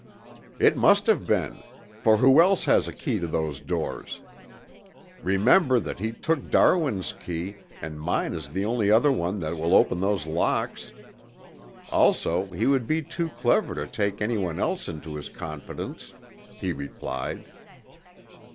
"It must have been, for who else has a key to those doors? Remember that he took Darwin's key, and mine is the only other one that will open those locks. Also he would be too clever to take anyone else into his confidence," he replied.